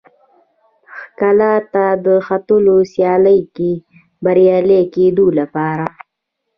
کلا ته د ختلو سیالۍ کې بریالي کېدو لپاره.